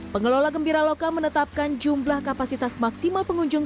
pengelola gembira loka menetapkan jumlah kapasitas maksimal pengunjung